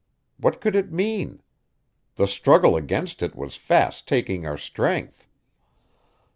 What could it mean? The struggle against it was fast taking our strength.